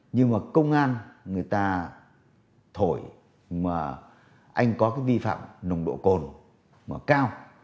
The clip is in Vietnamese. nhưng mà công an người ta thổi mà anh có cái vi phạm nồng độ cồn mà cao